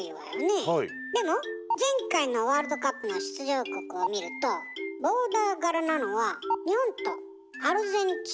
でも前回のワールドカップの出場国を見るとボーダー柄なのは日本とアルゼンチンくらいよね。